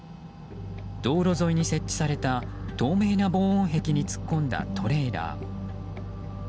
道路沿いに設置された透明な防音壁に突っ込んだトレーラー。